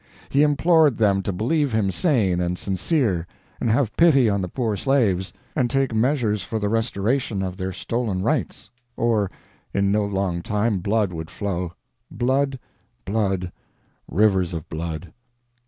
He implored them to believe him sane and sincere, and have pity on the poor slaves, and take measures for the restoration of their stolen rights, or in no long time blood would flow—blood, blood, rivers of blood!